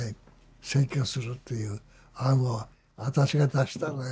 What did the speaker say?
占拠するっていう案を私が出したのよ。